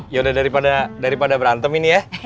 yaudah daripada berantem ini ya